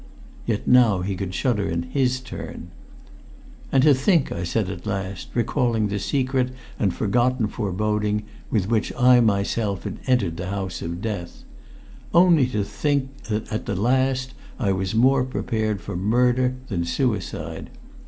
Yet now he could shudder in his turn. "And to think," I said at last, recalling the secret and forgotten foreboding with which I myself had entered the house of death; "only to think that at the last I was more prepared for murder than suicide!